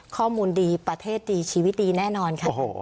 ข้อมูลดีประเทศดีชีวิตดีแน่นอนค่ะ